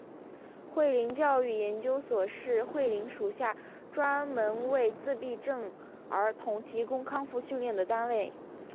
慧灵教育研究所是慧灵属下专门为自闭症儿童提供康复训练的单位。